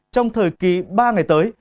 trong thời kỳ ba ngày tới